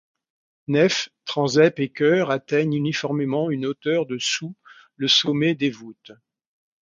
Nef, transept et chœur atteignent uniformément une hauteur de sous le sommet des voûtes.